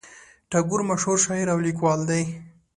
ټاګور مشهور شاعر او لیکوال دی.